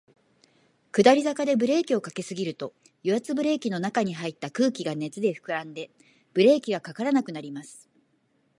下り坂でブレーキを掛けすぎると、油圧ブレーキの中に入った空気が熱で膨らんで、ブレーキが掛からなくなります。